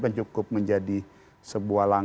dan cukup menjadi sebuah lansung